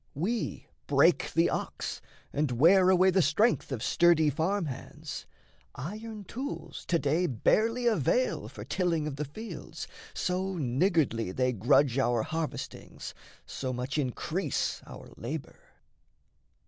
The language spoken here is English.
We break the ox, and wear away the strength Of sturdy farm hands; iron tools to day Barely avail for tilling of the fields, So niggardly they grudge our harvestings, So much increase our labour.